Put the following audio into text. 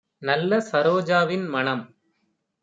நல்ல ஸரோஜாவின் - மணம்